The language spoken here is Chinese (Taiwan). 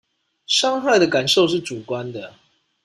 傷害的感受是主觀的